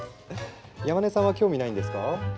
山根さんは興味ないんですか？